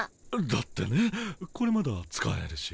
だってねこれまだ使えるし。